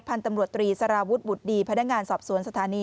พันธุ์ตำรวจตรีสารวุฒิบุตรดีพนักงานสอบสวนสถานี